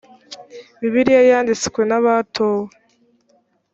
bibiliya yanditswe nabatowe.